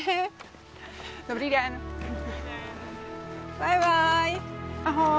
バイバイ。